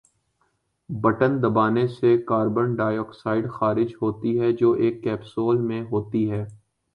Button دبانے سے carbon dioxide خارج ہوتی ہے جو ایک کیپسول میں ہوتی ہے۔